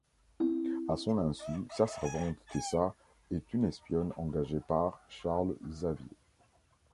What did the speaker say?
À son insu, sa servante Tessa est une espionne engagée par Charles Xavier.